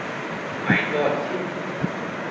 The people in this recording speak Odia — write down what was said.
ମାଇଁ ତ ଅଛି!